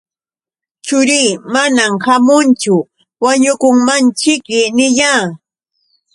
Churii manam ćhaamunchu, wañukunmanćhiki niyaa.